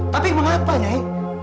tapi mengapa nyai